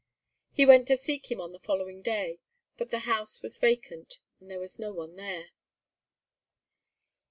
He went to seek him on the following day, but the house was vacant, and there was no one there.